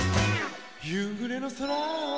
「夕暮れの空を」